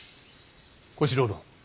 小四郎殿。